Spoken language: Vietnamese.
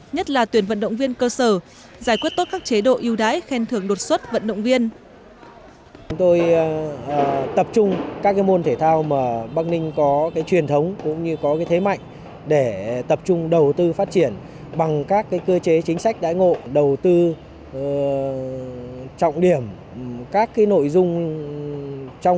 nhất là tuyển vận động viên cơ sở giải quyết tốt các chế độ yêu đái khen thường đột xuất vận động viên